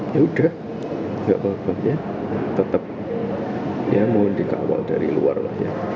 ya udah gak apa apa ya tetap ya mohon dikawal dari luar lah ya